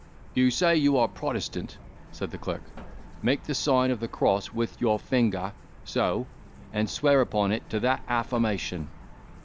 "You say, you are a Protestant," said the clerk; "make the sign of the cross with your finger, so, and swear upon it to that affirmation."